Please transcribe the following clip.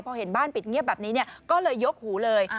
พอเห็นบ้านปิดเงียบแบบนี้ก็เลยยกหูเลย